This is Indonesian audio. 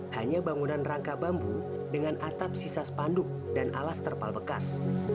hanya bangunan rangka bambu dengan atap sisa spanduk dan alas terpal bekas